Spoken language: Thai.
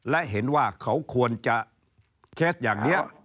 และเห็นว่าเขาควรจะเคสอย่างเดียว